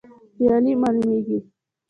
خیالي معلومیږي.